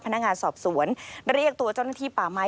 พนักงานสอบสวนเรียกตัวเจ้าหน้าที่ป่าไม้